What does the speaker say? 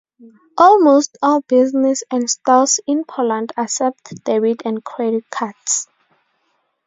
Almost all business and stores in Poland accept debit and credit cards.